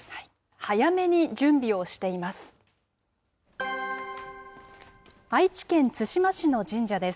早めに準備をしています。